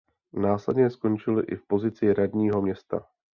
Následně skončil i v pozici radního města.